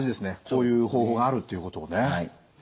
こういう方法があるっていうことをね。